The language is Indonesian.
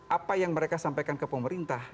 apa yang mereka sampaikan ke pemerintah